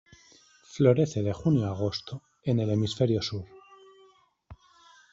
Florece de junio a agosto en el hemisferio sur.